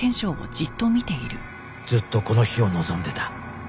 ずっとこの日を望んでた